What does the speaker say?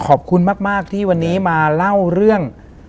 ขอบคุณมากที่วันนี้มาเล่าเรื่อง